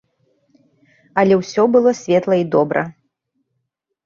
Але ўсё было светла і добра.